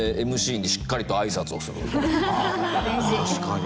確かに。